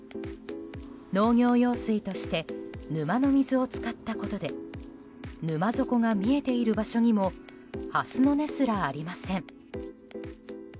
農業用水として沼の水を使ったことで沼底が見えている場所にもハスの根すらありません。